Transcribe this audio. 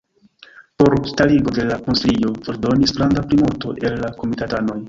Por starigo de la konsilio voĉdonis granda plimulto el la komitatanoj.